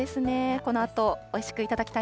このあと、おいしくいただきたい